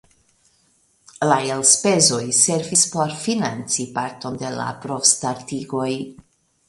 La elspezoj servis por financi parton de la provstartigoj.